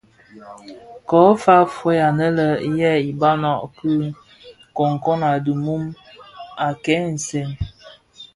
Ko fa fœug anè yè ibabana ki kōkōg a dhimum a kè nsèň.